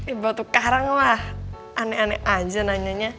eh batu karang lah aneh aneh aja nanyanya